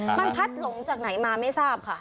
มันพัดหลงจากไหนมาไม่ทราบค่ะ